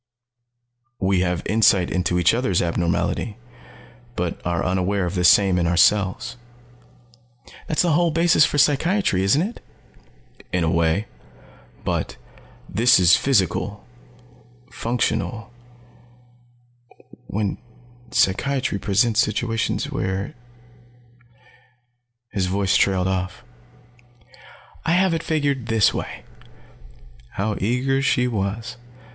"We have insight into each other's abnormality, but are unaware of the same in ourselves." "That's the whole basis for psychiatry, isn't it?" "In a way. But this is physical functional when psychiatry presents situation where " His voice trailed off. "I have it figured this way." How eager she was.